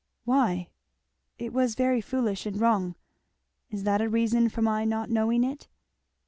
"Why?" "It was very foolish and wrong " "Is that a reason for my not knowing it?"